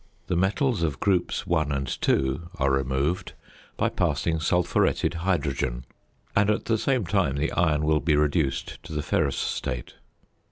The metals of Groups I. and II. are removed by passing sulphuretted hydrogen, and at the same time the iron will be reduced to the ferrous state.